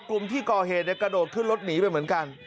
กลุ่มที่ก่อเหตุกระโดดขึ้นรถหนีไปเหมือนกัน